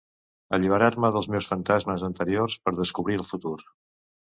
Alliberar-me dels meus fantasmes anteriors, per descobrir el futur.